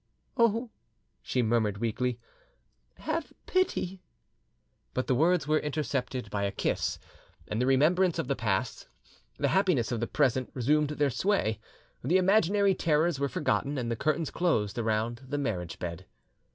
"Oh," she murmured weakly, "have pity!" But the words were intercepted by a kiss, and the remembrance of the past, the happiness of the present, resumed their sway; the imaginary terrors were forgotten, and the curtains closed around the marriage bed.